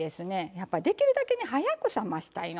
やっぱりできるだけ早く冷ましたいの。